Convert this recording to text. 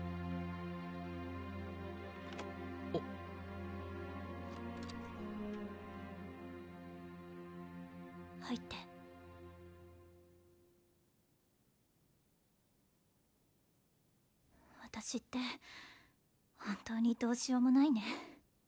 あっ入って私って本当にどうしようもないね